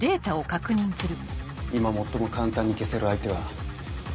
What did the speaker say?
今最も簡単に消せる相手は。